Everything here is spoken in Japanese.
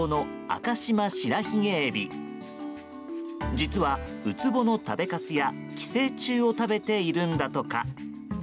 実はウツボの食べかすや寄生虫を食べているんだとか。